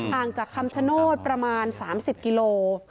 ห่างจากคำชโนตประมาณ๓๐กิโลกรัม